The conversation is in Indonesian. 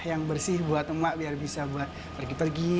yang bersih buat emak biar bisa buat pergi pergi